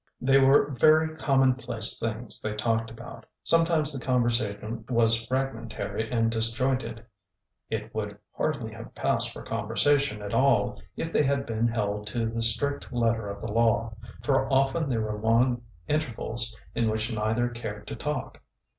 They were very commonplace things they talked about; some times the conversation was fragmentary and disjointed; it would hardly have passed for conversation at all if they had been held to the strict letter of the law, for often there were long intervals in which neither cared to talk.